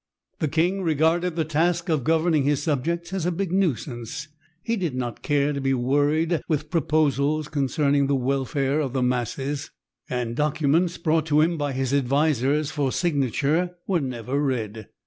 The king regarded the task of governing his subjects as a big nuisance; he did not care to be worried with proposals concerning the welfare of the masses, and documents brought to him by his advisors for signature were never read.